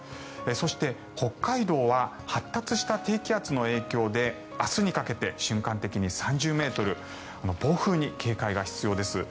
そして、北海道は発達した低気圧の影響で明日にかけて瞬間的に３０ｍ暴風に警戒が必要です。